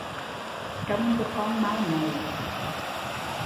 Trông cho con mau nậy